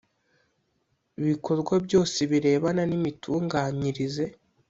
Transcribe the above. bikorwa byose birebana n imitunganyirize